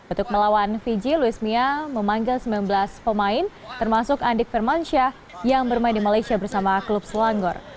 untuk melawan fiji luis mia memanggil sembilan belas pemain termasuk andik firmansyah yang bermain di malaysia bersama klub selangor